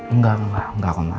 enggak enggak enggak enggak kok ma